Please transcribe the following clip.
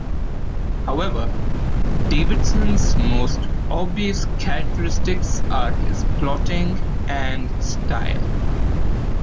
However, Davidson's most obvious characteristics are his plotting and style.